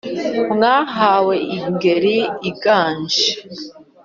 mwahawe ingeri iganje